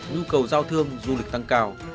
nhu cầu giao thương du lịch tăng cao